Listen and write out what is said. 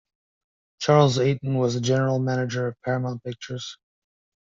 Charles Eyton was the General Manager of Paramount Pictures.